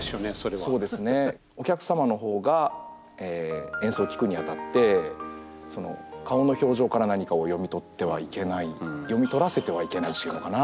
お客様の方が演奏を聴くにあたって顔の表情から何かを読み取ってはいけない読み取らせてはいけないというのかな。